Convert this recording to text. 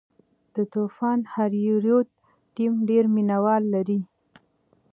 د طوفان هریرود ټیم ډېر مینه وال لري.